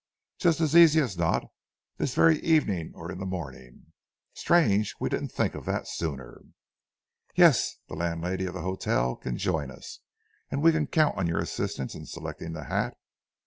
'Just as easy as not; this very evening or in the morning. Strange we didn't think of that sooner. Yes; the landlady of the hotel can join us, and we can count on your assistance in selecting the hat.'